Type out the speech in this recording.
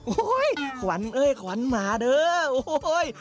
โอ้โหขวัญเอ้ยขวัญหมาเด้อโอ้ย